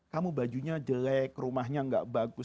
kamu bajunya jelek rumahnya gak bagus